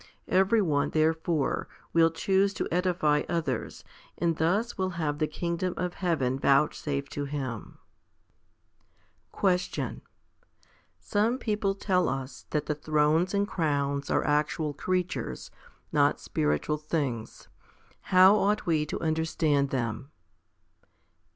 1 Every one, therefore, will choose 1 i Cor. xiv. 4, 5. HOMILY VI 59 to edify others, and thus will have the kingdom of heaven vouchsafed to him. 5. Question. Some people tell us that the thrones and crowns are actual creatures, not spiritual things. How ought we to understand them?